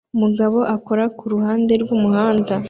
Umugabo akora kuruhande rwumuhanda